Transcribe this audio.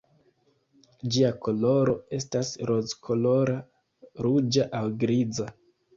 Ĝia koloro estas rozkolora, ruĝa aŭ griza.